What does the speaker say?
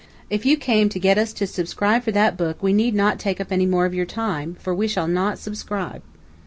"If you came to get us to subscribe for that book we need not take up any more of your time, for we shall not subscribe."